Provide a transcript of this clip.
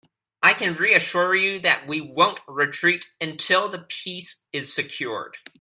I can reassure you, that we won't retreat until the peace is secured.